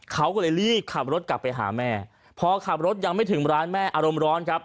เขาก็เลยรีบขับรถกลับไปหาแม่พอขับรถยังไม่ถึงร้านแม่อารมณ์ร้อนครับ